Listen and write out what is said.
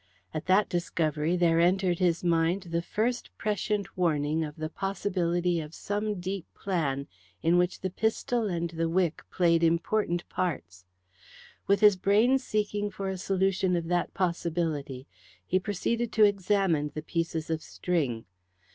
At that discovery there entered his mind the first prescient warning of the possibility of some deep plan in which the pistol and the wick played important parts. With his brain seeking for a solution of that possibility, he proceeded to examine the pieces of string.